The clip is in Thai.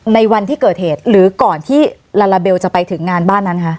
ในวันที่เกิดเหตุหรือก่อนที่ลาลาเบลจะไปถึงงานบ้านนั้นคะ